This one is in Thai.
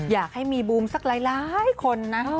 อยากให้มีบูมสักหลายคนนะ